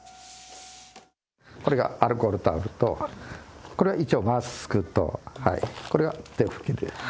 これがアルコールタオルと、これが一応マスクと、これが手拭きです。